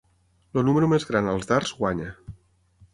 El número més gran als dards guanya.